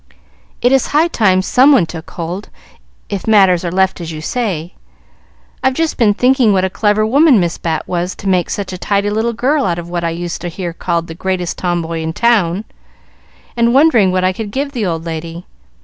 "It is high time someone took hold, if matters are left as you say. I've just been thinking what a clever woman Miss Bat was, to make such a tidy little girl out of what I used to hear called the greatest tomboy in town, and wondering what I could give the old lady.